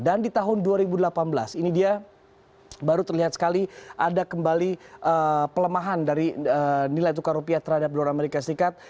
dan di tahun dua ribu delapan belas ini dia baru terlihat sekali ada kembali pelemahan dari nilai tukar rupiah terhadap dolar amerika serikat